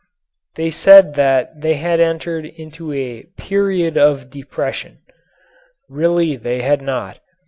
They said that they had entered into a "period of depression." Really they had not.